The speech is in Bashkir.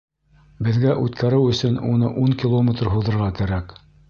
Беҙгә үткәреү өсөн уны ун километр һуҙырға кәрәк.